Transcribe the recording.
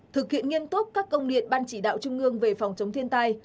thực hiện nghiêm túc các công điện ban chỉ đạo trung ương về phòng chống thiên tai